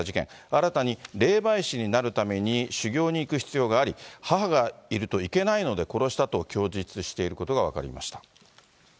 新たに霊媒師になるために修行に行く必要があり、母がいると行けないので殺したと供述していることが分かりました。